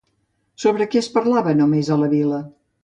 Sobre què es parlava només a la vila?